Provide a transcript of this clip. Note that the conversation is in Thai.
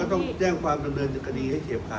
ก็ต้องแจ้งความเจ้าเนินคดีให้เฉพค่ะ